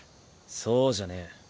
そうじゃねぇ。